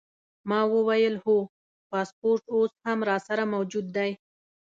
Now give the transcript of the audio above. ما وویل: هو، پاسپورټ اوس هم راسره موجود دی.